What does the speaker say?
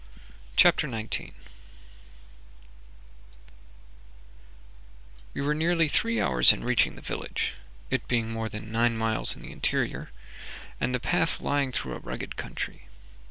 CHAPTER 19 We were nearly three hours in reaching the village, it being more than nine miles in the interior, and the path lying through a rugged country.